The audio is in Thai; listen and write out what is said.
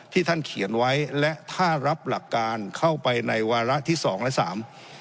ท่านเขียนไว้และถ้ารับหลักการเข้าไปในวาระที่สองและสาม